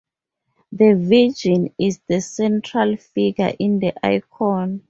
The Virgin is the central figure in the icon.